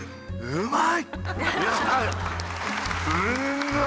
うまいッ！